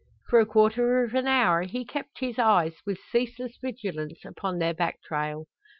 For a quarter of an hour he kept his eyes with ceaseless vigilance upon their back trail.